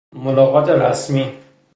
ملاقات رسمی